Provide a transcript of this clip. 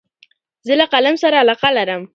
زه له قلم سره علاقه لرم.